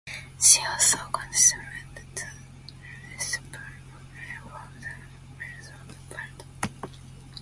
She also consumed the reserves of light from the wells of Varda.